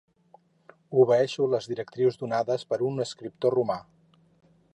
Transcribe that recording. Obeeixo les directrius donades per un escriptor romà.